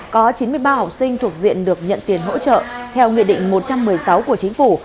có chín mươi ba học sinh thuộc diện được nhận tiền hỗ trợ theo nghị định một trăm một mươi sáu của chính phủ